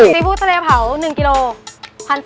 ซีฟู้ทะเลเผา๑กิโล๑๓๐๐๐บาท